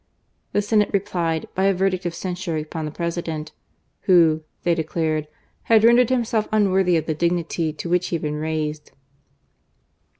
The Senate replied by a verdict' of cetisure upon the President, "who," they declared, "had rendered himself unworthy of the dignity to whicfi. he had been raised."